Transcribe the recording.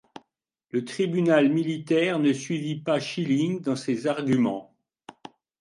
Le tribunal militaire ne suivit pas Schilling dans ses arguments.